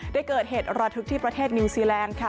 ได้เกิดเหตุระทึกที่ประเทศนิวซีแลนด์ค่ะ